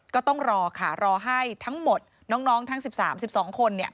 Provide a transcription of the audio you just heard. ก็ต้องรอค่ะรอให้ทั้งหมดน้องทั้ง๑๓๑๒คน